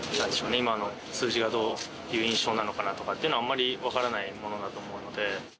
今の数字がどういう印象なのかなとかっていうのはあまりわからないものだと思うので。